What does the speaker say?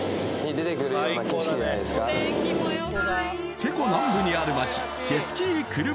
チェコ南部にある街